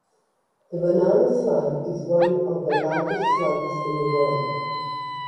The banana slug is one of the largest slugs in the world.